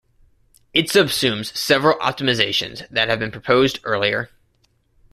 It subsumes several optimizations that have been proposed earlier.